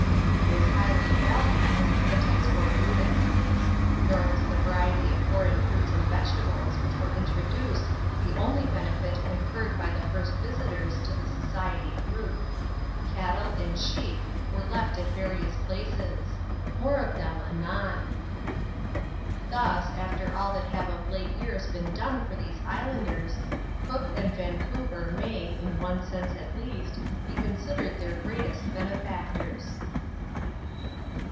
It is highly valued as an anti scorbutic. Nor was the variety of ^Mreign &uits and vegetables which were introduced the only benefit conferred by the first visitors to the Society group. Cattle and sheep were left at various places. M.(xe of them aaon. Thus, after all that have of late years been done for these iafauaderS) Cook and Vancouver may, in one sense at least, be CMiBidered their greatest benefactors.